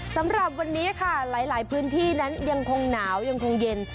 สำหรับวันนี้ค่ะหลายพื้นที่นั้นยังคงหนาวยังคงเย็น